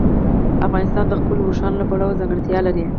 افغانستان د خپلو اوښانو له پلوه ځانګړتیا لري.